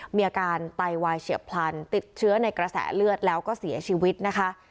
มีอาการไตวายเฉียบพลันติดเชื้อในกระแสเลือดแล้วก็เสียชีวิตนะคะ